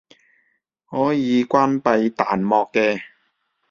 可以關閉彈幕嘅